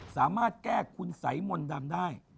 สามารถแก้คุณสัยมนต์ดำได้